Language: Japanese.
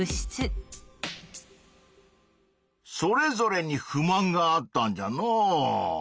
それぞれに不満があったんじゃのう。